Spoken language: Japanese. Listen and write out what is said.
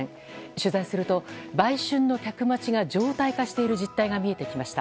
取材すると売春の客待ちが常態化している実態が見えてきました。